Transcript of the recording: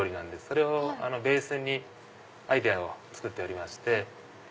それをベースにアイデアをつくっておりまして。